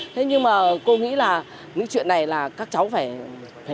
thế nhưng mà cô nghĩ là những chuyện này là các cháu phải lên